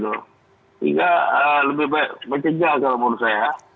sehingga lebih baik mencegah kalau menurut saya